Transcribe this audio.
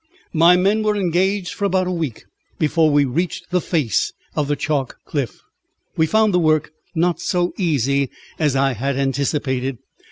My men were engaged for about a week before we reached the face of the chalk cliff. We found the work not so easy as I had anticipated.